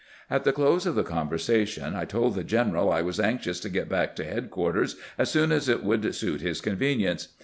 At the close of the conver sation I told the general I was anxious to get back to headquarters as soon as it would suit his convenience.